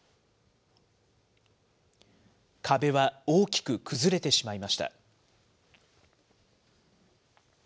壁は大きく崩れてしまいました。